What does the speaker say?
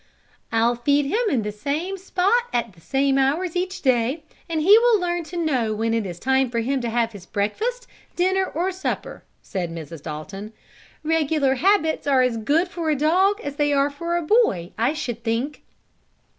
"I'll feed him in the same spot at the same hours each day, and he will learn to know when it is time for him to have his breakfast, dinner or supper," said Mrs. Dalton. "Regular habits are as good for a dog as they are for a boy, I should think."